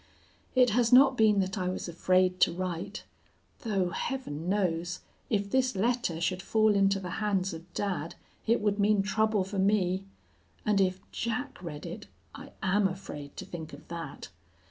"It has not been that I was afraid to write though, Heaven knows, if this letter should fall into the hands of dad it would mean trouble for me, and if Jack read it I am afraid to think of that!